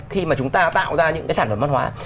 khi mà chúng ta tạo ra những cái sản phẩm văn hóa